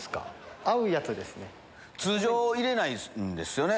通常入れないんですよね。